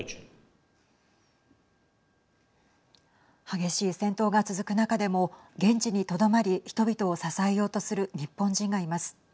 激しい戦闘が続く中でも現地にとどまり人々を支えようとする日本人がいます。